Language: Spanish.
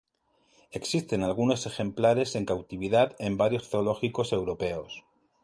Existen algunos ejemplares en cautividad en varios zoológicos europeos.